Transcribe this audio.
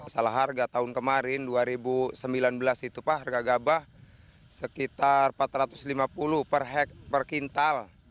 salah harga tahun kemarin dua ribu sembilan belas itu pak harga gabah sekitar rp empat ratus lima puluh per hek per kintal